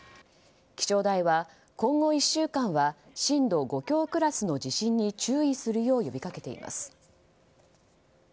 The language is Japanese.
気象台は今後１週間は震度５強クラスの地震に注意するよう呼びかけています。